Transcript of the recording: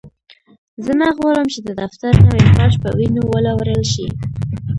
زه نه غواړم چې د دفتر نوی فرش په وینو ولړل شي